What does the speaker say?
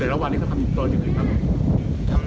แต่ละวันนี้เขาทำอีกตัวอย่างไรครับ